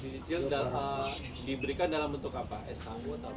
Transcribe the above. dicecil data diberikan dalam bentuk apa shu